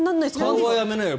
顔はやめなよ